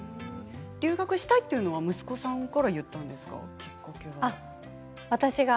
留学したいというのは息子さんから言ったんですかきっかけは。